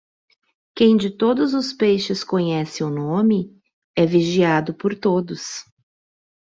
Quem de todos os peixes conhece o nome, é vigiado por todos.